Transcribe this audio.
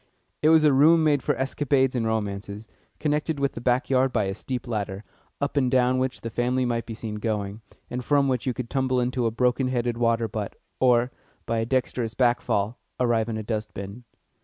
It was a room made for escapades and romances, connected with the back yard by a steep ladder, up and down which the family might be seen going, and from which you could tumble into a broken headed water butt, or, by a dexterous back fall, arrive in a dustbin.